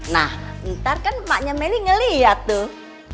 nah ntar kan maknya meli ngeliat tuh